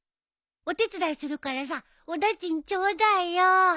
お手伝いするからさお駄賃ちょうだいよ。